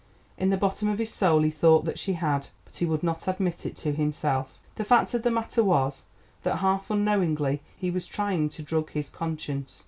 In the bottom of his soul he thought that she had, but he would not admit it to himself. The fact of the matter was that, half unknowingly, he was trying to drug his conscience.